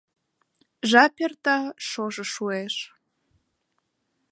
Жап эрта, шошо шуэш.